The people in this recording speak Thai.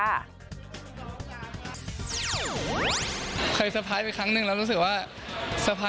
เคยเชิญให้เขาอีกครั้งหนึ่งแล้วรู้สึกว่า